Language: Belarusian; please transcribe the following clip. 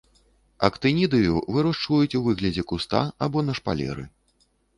Актынідыю вырошчваюць у выглядзе куста або на шпалеры.